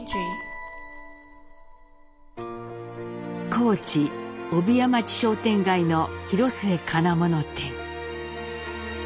高知帯屋町商店街の広末金物店。